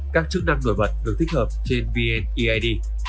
các chức năng nổi bật được thích hợp trên vneid